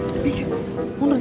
doy berat atuh doy